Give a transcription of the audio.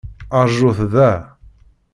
Rjut da!